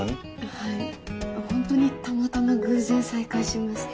はいホントにたまたま偶然再会しまして。